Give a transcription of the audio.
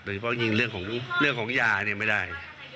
เพราะยังงี้เรื่องของยาไม่ได้